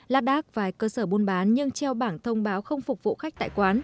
lát đác vài cơ sở buôn bán nhưng treo bảng thông báo không phục vụ khách tại quán